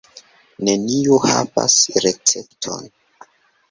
Neniu havas recepton.